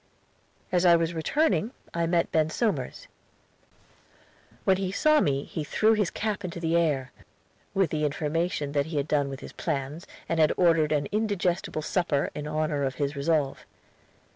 As I was returning I met Ben Somers. When he saw me he threw his cap into the air, with the information that he had done with his plans, and had ordered an indigestible supper, in honor of his resolve.